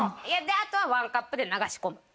後はワンカップで流し込む。